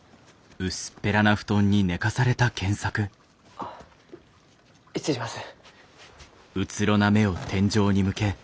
あ失礼します。